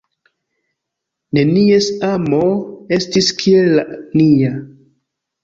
Nenies amo estis kiel la nia.